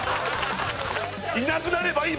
いなくなればいい。